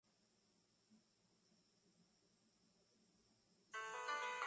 En la atmósfera, hay muchos objetos o cualidades que pueden ser medidos.